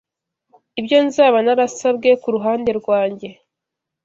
ibyo nzaba narasabwe ku ruhande rwanjye